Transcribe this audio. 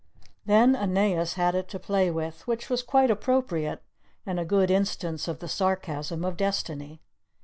Then Aeneas had it to play with, which was quite appropriate, and a good instance of the sarcasm of destiny.